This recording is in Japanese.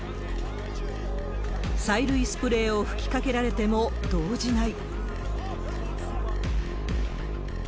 催涙スプレーを吹きかけられても動じない。